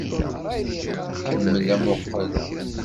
Kemmel amuqqel!